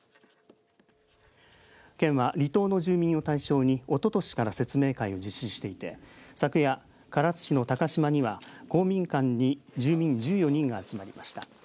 県は離島の住民を対象におととしから説明会を実施していて昨夜、唐津市の高島には公民館に住民１４人が集まりました。